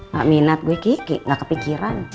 gak minat gue kiki gak kepikiran